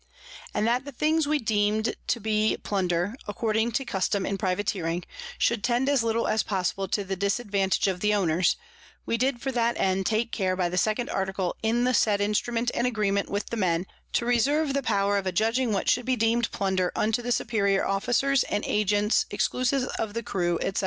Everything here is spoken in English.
And that the things we deem'd to be Plunder, according to custom in Privateering, should tend as little as possible to the disadvantage of the Owners, we did for that end take care by the second Article in the said Instrument and Agreement with the Men, to reserve the Power of adjudging what should be deem'd Plunder, unto the superior Officers and Agents exclusive of the Crew, _&c.